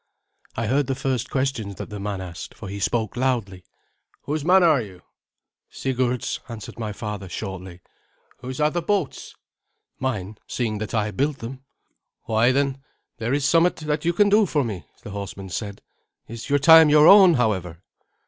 I heard the first questions that the man asked, for he spoke loudly. "Whose man are you?" "Sigurd's," answered my father shortly. "Whose are the boats?" "Mine, seeing that I built them." "Why, then, there is somewhat that you can do for me," the horseman said. "Is your time your own, however?"